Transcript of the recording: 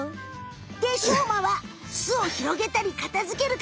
でしょうまは巣をひろげたり片づける係。